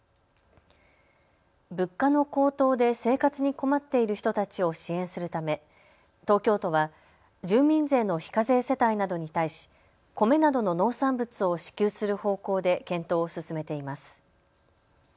物価の高騰で生活に困っている人たちを支援するため東京都は住民税の非課税世帯などに対し米などの農産物を支給する方向で検討を進めています。